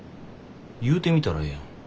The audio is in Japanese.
言うてみたらええやん。